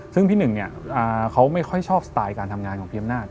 ซึ่งพี่หนึ่งเขาไม่ค่อยชอบสไตล์การทำงานของพี่อำนาจ